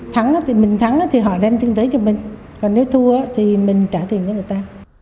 thắng thì mình thắng thì họ đem kinh tế cho mình còn nếu thua thì mình trả tiền cho người ta